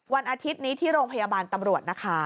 วันอาทิตย์นี้ที่โรงพยาบาลตำรวจนะคะ